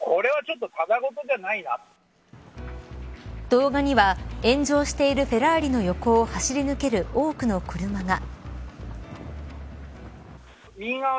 動画には、炎上しているフェラーリの横を走り抜ける多くの車が。